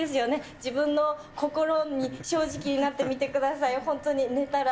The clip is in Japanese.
自分の心に正直になってみてください。